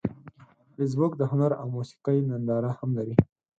فېسبوک د هنر او موسیقۍ ننداره هم لري